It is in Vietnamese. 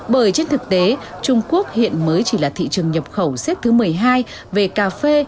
bởi trên thực tế trung quốc hiện mới chỉ là thị trường nhập khẩu xếp thứ một mươi hai về cà phê